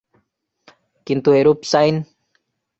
কিন্তু এরূপ সাইন!